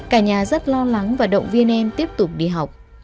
cả nhà rất lo lắng và động viên em tiếp tục đi học